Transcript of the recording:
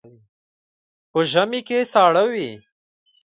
په ژمي کې ساړه وي.